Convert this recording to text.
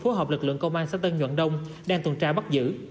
phối hợp lực lượng công an xã tân nhuận đông đang tuần tra bắt giữ